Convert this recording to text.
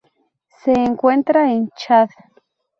Se encuentra en Chad.